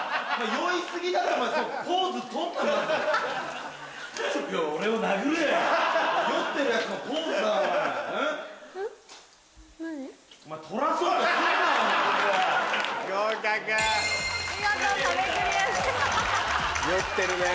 酔ってるねぇ。